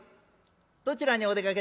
「どちらにお出かけですか？」。